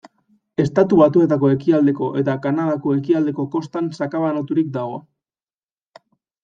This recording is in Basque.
Estatu Batuetako ekialdeko eta Kanadako ekialdeko kostan sakabanaturik dago.